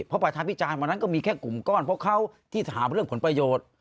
เพราะประชาพิจารณ์วันนั้นก็มีแค่กลุ่มก้อนเพราะเขาที่ถามเรื่องผลประโยชน์